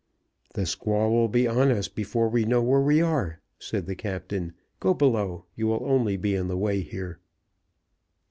"The squall will be on us before we know where we are," said the captain. "Go below; you will be only in the way here."